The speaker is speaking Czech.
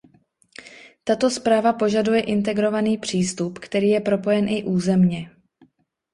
Tato zpráva požaduje integrovaný přístup, který je propojen i územně.